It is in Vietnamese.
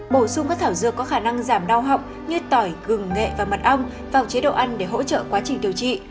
bổ sung các thảo dược có khả năng giảm đau họng như tỏi gừng nghệ và mật ong vào chế độ ăn để hỗ trợ quá trình điều trị